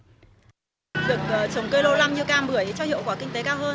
được trồng cây lâu năm như cam bưởi cho hiệu quả kinh tế cao hơn